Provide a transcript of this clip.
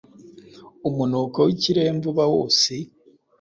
umunuko w’ikiremve uba wose,